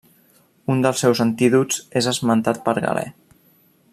Un dels seus antídots és esmentat per Galè.